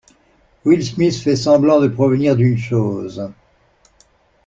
Will Smith fait semblant de provenir d'une chose.